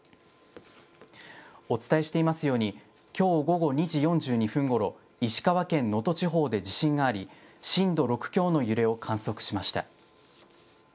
お伝えしていますように、きょう午後２時４２分ごろ、石川県能登地方で地震があり、震度６強の揺れを観測しました。